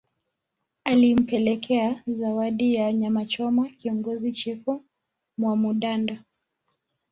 Alimpelekea zawadi ya nyamachoma kiongozi Chifu Mwamududa